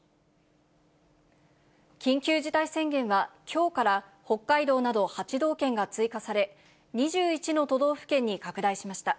緊急事態宣言は、きょうから北海道など８道県が追加され、２１の都道府県に拡大しました。